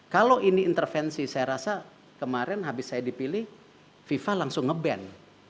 kalau ini intervensi saya rasa kemarin habis saya dipilih fifa langsung nge ban